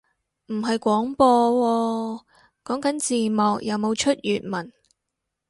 唔係廣播喎，講緊字幕有冇出粵文